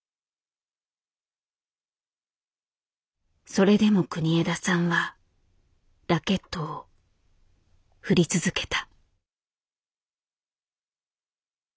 それでも国枝さんはラケットを振り続けた。